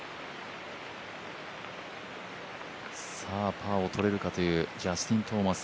パーをとれるかというジャスティン・トーマス。